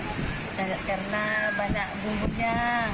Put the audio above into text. karena banyak bumbunya